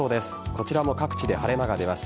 こちらも各地で晴れ間が出ます。